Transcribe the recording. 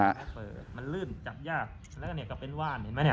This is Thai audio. มันลื่นจับยากและเนี่ยก็เป็นว่านเห็นไหมเนี่ย